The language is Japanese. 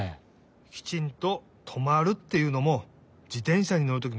きちんととまるっていうのも自転車にのるときのルールなんだね。